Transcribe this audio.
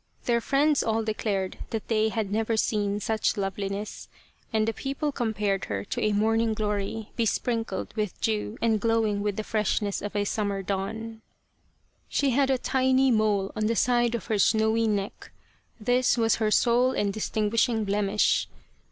Their friends all declared that they had never seen such loveliness, and people com pared her to a morning glory, besprinkled with dew and glowing with the freshness of a summer dawn. She had a tiny mole on the side of her snowy neck. This was her sole and distinguishing blemish.